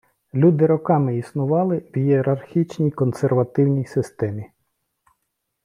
Люди роками існували в ієрархічній, консервативній системі.